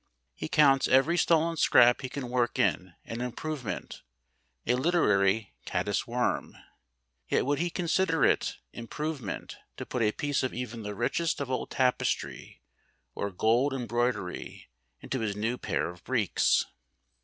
He counts every stolen scrap he can work in an improvement a literary caddis worm. Yet would he consider it improvement to put a piece of even the richest of old tapestry or gold embroidery into his new pair of breeks?